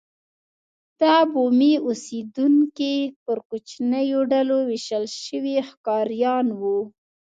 دا بومي اوسېدونکي پر کوچنیو ډلو وېشل شوي ښکاریان وو.